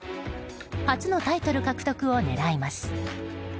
初のタイトル獲得を狙います。